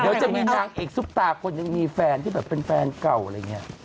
เดี๋ยวจะมีนางเอกซุปตาคนหนึ่งมีแฟนที่แบบเป็นแฟนเก่าอะไรอย่างนี้